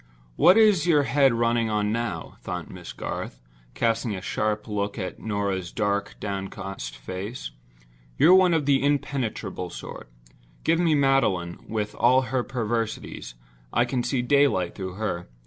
"What is your head running on now?" thought Miss Garth, casting a sharp look at Norah's dark, downcast face. "You're one of the impenetrable sort. Give me Magdalen, with all her perversities; I can see daylight through her.